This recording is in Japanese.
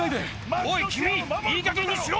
おい、君、いいかげんにしろ。